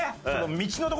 道のとこ。